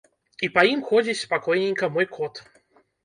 І па ім ходзіць спакойненька мой кот.